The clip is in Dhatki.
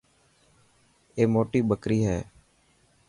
اي موٽي ٻڪري هي.